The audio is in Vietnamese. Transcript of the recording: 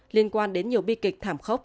liên quan đến nhiều bi kịch thảm khốc